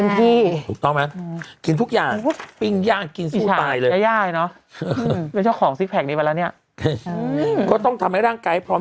ก็บอกว่าเขาจะถ่ายรูปนี้ให้ยาย่าดูตลอด